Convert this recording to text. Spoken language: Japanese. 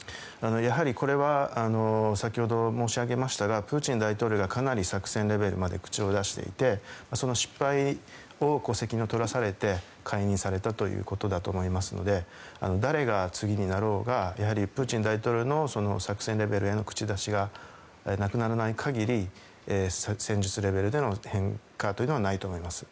やはりこれは先ほど申し上げましたがプーチン大統領がかなり作戦レベルまで口を出していてその失敗の責任を取らされて解任されたということだと思いますので誰が次になろうがプーチン大統領の作戦レベルへの口出しがなくならない限り戦術レベルでの変化はないと思います。